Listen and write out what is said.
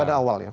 pada awal ya